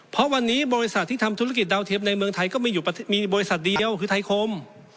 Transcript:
เพราะวันนี้บริษัทที่ทำธุรกิจดาวเทปในเมืองไทยก็มีบริษัทเดียวคือไทยคม